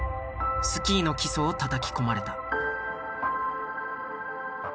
スキーの基礎をたたき込まれた。